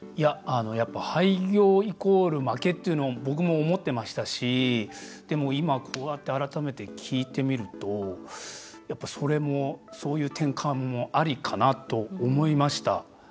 廃業イコール負けっていうのは僕も思っていましたしでも、今こうやって改めて聞いてみるとそれも、そういう転換もありかなと思いました。